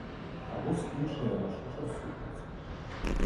А вось іншыя рашуча супраць.